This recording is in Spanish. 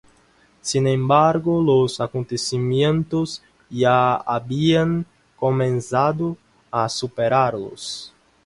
Sin embargo, los acontecimientos ya habían comenzado a superarlos.